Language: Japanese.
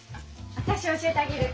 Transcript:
私教えてあげる。